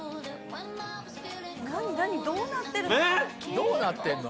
どうなってんの？